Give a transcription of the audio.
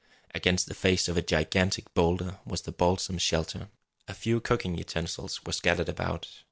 Against the face of a gigantic boulder was a balsam shelter. A few cooking utensils were scattered about.